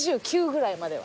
２８２９ぐらいまで。